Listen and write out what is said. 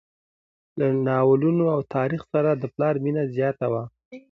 له ناولونو او تاریخ سره د پلار مینه زیاته وه.